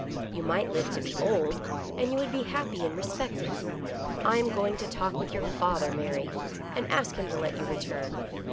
You might live to be old, and you would be happy and respected. I am going to talk with your father, Mary, and ask him to let you return.